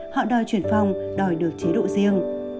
họ đòi chuyển phòng đòi được chế độ riêng